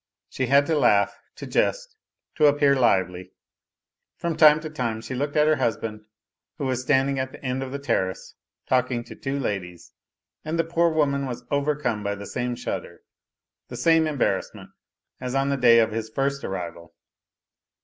She had to laugh, to jest, to appear lively. From time to time she looked at her husband, who was standing at the end of the terrace talking to two ladies, and the poor woman was overcome by the same shudder, the same embarrassment, as on the day of his first arrival.